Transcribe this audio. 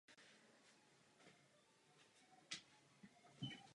Ale slečinko, dyť vo nic nejde.